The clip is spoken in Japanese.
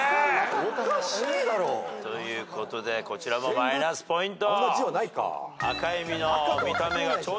おかしいだろ。ということでこちらもマイナスポイント。